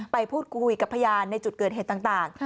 ไปพูดคุยกับพยานในจุดเกิดเหตุต่าง